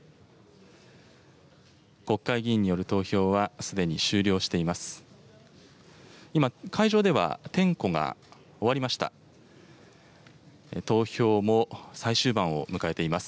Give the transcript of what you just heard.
国会議員による投票はすでに終了しています。